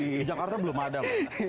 di jakarta belum ada